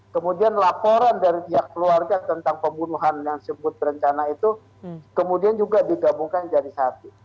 kemudian laporan dari pihak keluarga tentang pembunuhan yang disebut berencana itu kemudian juga digabungkan jadi satu